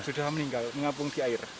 sudah meninggal mengapung di air